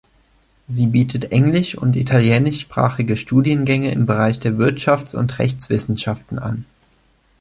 Sie bietet englisch- und italienischsprachige Studiengänge im Bereich der Wirtschafts- und Rechtswissenschaften an.